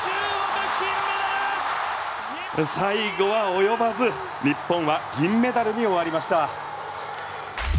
最後は及ばず日本は銀メダルに終わりました。